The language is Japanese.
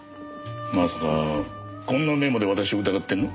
まさかこんなメモで私を疑ってるの？